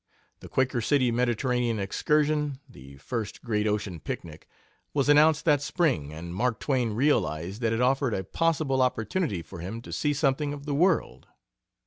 The Quaker City Mediterranean excursion, the first great ocean picnic, was announced that spring, and Mark Twain realized that it offered a possible opportunity for him to see something of the world.